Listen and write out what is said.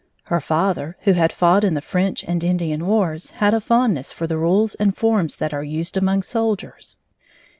Her father, who had fought in the French and Indian wars, had a fondness for the rules and forms that are used among soldiers.